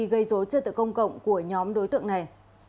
gây dối trật tự công cộng của nhóm đối tượng này